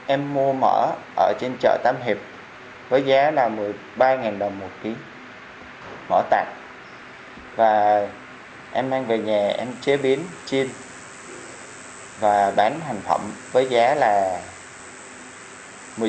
em mua mỡ ở trên chợ tám hiệp với giá là một mươi ba đồng một ký mỡ tạc và em mang về nhà em chế biến chiên và bán hành phẩm với giá là một mươi chín đồng một ký